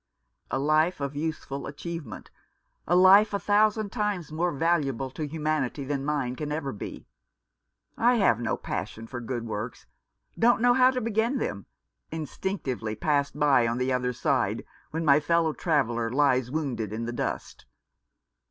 "A life of useful achievement, a life a thousand times more valuable to humanity than mine can ever be. I have no passion for good works, don't know how to begin them, instinctively pass by on the other side, when my fellow traveller lies wounded in the dust.